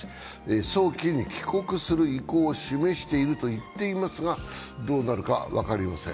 早期に帰国する意向を示していると言っていますがどうなるか分かりません。